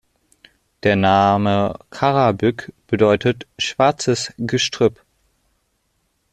Der Name Karabük bedeutet „schwarzes Gestrüpp“.